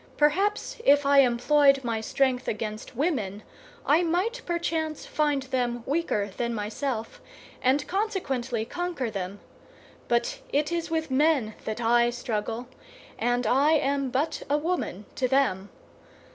Perhaps if I employed my strength against women I might perchance find them weaker than myself, and consequently conquer them; but it is with men that I struggle, and I am but a woman to them.